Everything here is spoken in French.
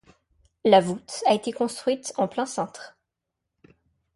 La voûte a été construite en plein cintre.